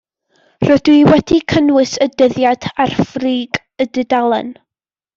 Rydw i wedi cynnwys y dyddiad ar frig y dudalen.